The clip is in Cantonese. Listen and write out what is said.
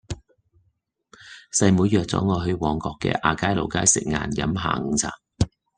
細妹約左我去旺角嘅亞皆老街食晏飲下午茶